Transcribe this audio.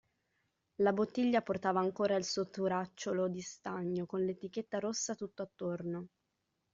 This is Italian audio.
La bottiglia portava ancora il suo turacciolo di stagno, con l'etichetta rossa tutto attorno.